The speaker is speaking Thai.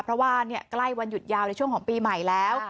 เพราะว่าใกล้วันหยุดยาวในช่วงของปีใหม่แล้ว